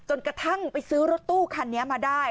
กระทั่งไปซื้อรถตู้คันนี้มาได้